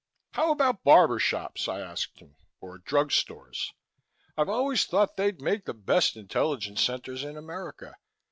"How about barbershops?" I asked him. "Or drugstores? I've always thought they'd make the best intelligence centers in America.